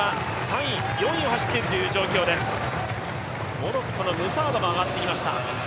モロッコのムサードも上がってきました。